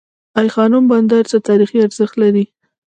ای خانم بندر څه تاریخي ارزښت لري؟